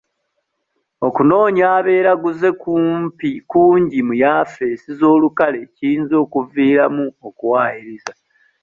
Okunoonya abeeraguze kungi mu yafeesi z'olukale ekiyinza okuviiramu okuwayiriza.